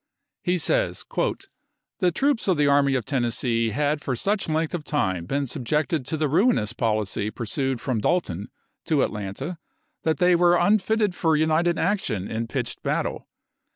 He says :" The troops of the Army of Tennessee had for such length of time been subjected to the ruinous policy pursued from Dalton to Atlanta that they were unfitted for united action in pitched battle.